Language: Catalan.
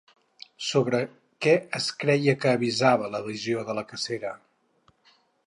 Sobre què es creia que avisava la visió de la cacera?